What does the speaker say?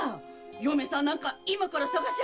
嫁さんなんか今から探しゃあ！